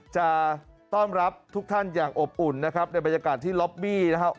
จะต้อนรับทุกท่านอย่างอบอุ่นนะครับในบรรยากาศที่ล็อบบี้นะครับ